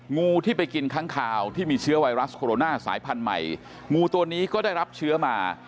งูที่ไปกินค้างคาวที่มีเชื้อไวรัสโคโรนาสายพันธุ์ใหม่งูตัวนี้ก็ได้รับเชื้อมา